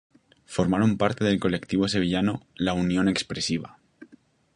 Formaron parte del colectivo sevillano "La Unión Expresiva".